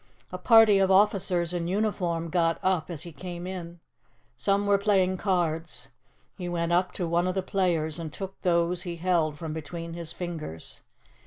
A party of officers in uniform got up as he came in. Some were playing cards. He went up to one of the players and took those he held from between his fingers.